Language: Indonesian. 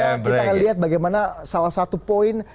kita akan lihat bagaimana salah satu poin